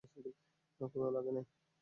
ক্ষুধা লাগে নাই?